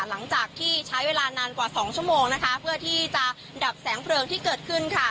หลังจากที่ใช้เวลานานกว่าสองชั่วโมงนะคะเพื่อที่จะดับแสงเพลิงที่เกิดขึ้นค่ะ